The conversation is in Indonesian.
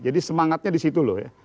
jadi semangatnya di situ loh ya